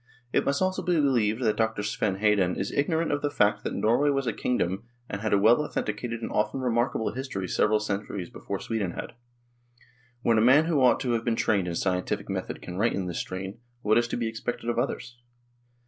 It must also be believed that Dr. Sven Hedin is ignorant of the fact that Norway was a kingdom and had a well authen ticated and often remarkable history several centuries before Sweden had. When a man who ought to have been trained in scientific method can write in this strain, what is to be expected of others